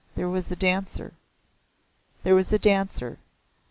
There was a Dancer." "There was a Dancer.